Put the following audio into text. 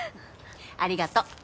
ありがとう。